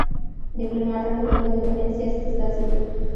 ډيپلوماټان د حکومت د بهرني سیاست استازي وي.